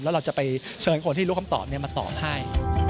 แล้วเราจะไปเชิญคนที่รู้คำตอบมาตอบให้